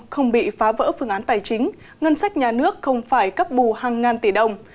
không bị phá vỡ phương án tài chính ngân sách nhà nước không phải cấp bù hàng ngàn tỷ đồng